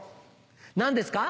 何ですか？